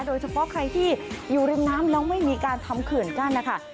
โดยเฉพาะใครที่อยู่ริมน้ำแล้วไม่มีการทำเขื่อนกั้นนะคะ